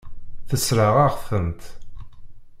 Tessṛeɣ-aɣ-tent.